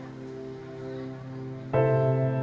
pagi pagi siapa yang dikutuk dan kenapa